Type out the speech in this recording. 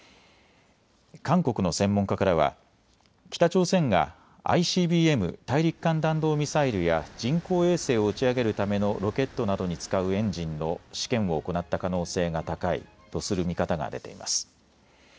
韓国の専門家からは北朝鮮がＩＣＢＭ・大陸間弾道ミサイルや人工衛星を打ち上げるためのロケットなどに使うエンジンの試験を行った可能性が高いとする見方が出ています。